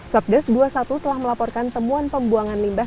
satgas dua puluh satu telah melaporkan temuan pembuangan limbah